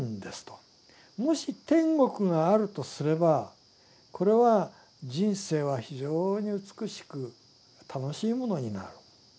もし天国があるとすればこれは人生は非常に美しく楽しいものになる。